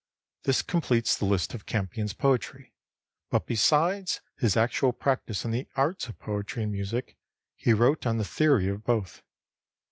This completes the list of Campion's poetry; but besides his actual practice in the arts of poetry and music, he wrote on the theory of both.